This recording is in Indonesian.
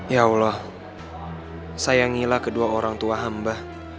ya allah sayangilah kedua orang tua hamba